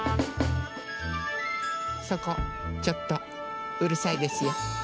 そこちょっとうるさいですよ。